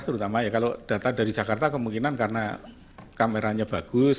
terutama ya kalau data dari jakarta kemungkinan karena kameranya bagus